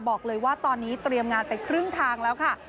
บอกเลยว่าตอนนี้เตรียมงานไปครึ่งทางแล้วค่ะ